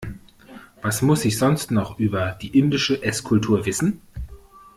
Was muss ich sonst noch über die indische Esskultur wissen?